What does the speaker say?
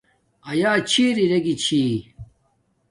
ایا چھرپیے گی چھی